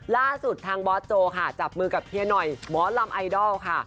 ล่าสุดทางบอสโจค่ะจับมือกับเฮียหน่อยหมอลำไอดอลค่ะ